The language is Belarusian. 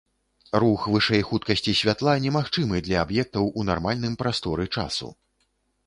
Рух вышэй хуткасці святла немагчымы для аб'ектаў у нармальным прасторы-часу.